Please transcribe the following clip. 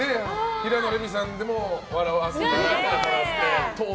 平野レミさんでも笑わせていただいて。